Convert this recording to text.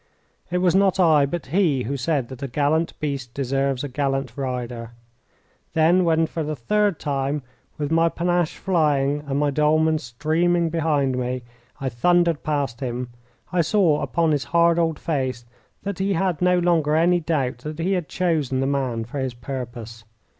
It was not I, but he, who said that a gallant beast deserves a gallant rider. Then, when for the third time, with my panache flying and my dolman streaming behind me, I thundered past him, I saw upon his hard old face that he had no longer any doubt that he had chosen the man for his purpose.